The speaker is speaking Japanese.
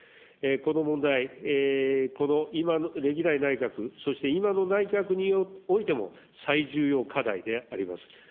この問題、この今、歴代内閣、そして今の内閣においても、最重要課題であります。